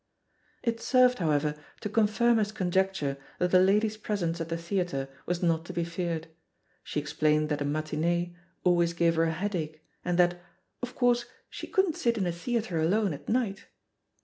It served, however, to confirm his conjecture that the lady's presence at the theatre was not to be feared; she explained that a mating always 3:he position op peggy harpeb m gave her a headache, and that ''of course, she couldn't sit in a theatre alone at night."